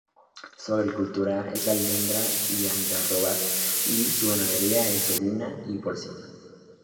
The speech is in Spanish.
Su agricultura es la almendra y algarrobas, y su ganadería es ovina y porcina.